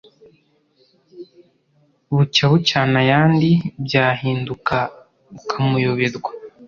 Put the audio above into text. Bucya bucyana ayandi byahinduka ukamuyoberwa